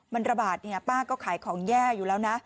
มันระบาดเนี่ยป้าก็ขายของแย่อยู่แล้วนะ